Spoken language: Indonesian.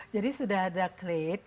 jadi sudah ada klip